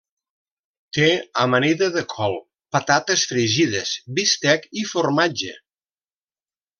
Té amanida de col, patates fregides, bistec i formatge.